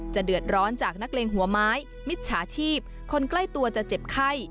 เดือดร้อนจากนักเลงหัวไม้มิจฉาชีพคนใกล้ตัวจะเจ็บไข้